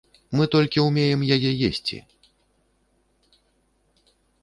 Мы толькі ўмеем яе есці.